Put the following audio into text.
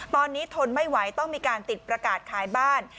ตอนนี้ทนไม่ไหวต้องมีการติดประกาศขายบ้าน